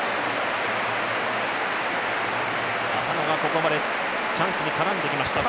浅野がここまでチャンスに絡んできました。